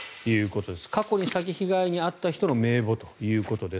過去に詐欺被害に遭った人の名簿ということです。